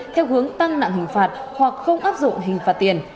theo hướng tăng nặng hình phạt hoặc không áp dụng hình phạt tiền